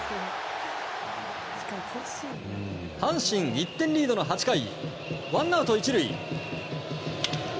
阪神１点リードの８回ワンアウト１塁。